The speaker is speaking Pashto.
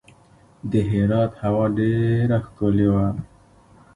د هرات هوا ډیره ښکلې وه.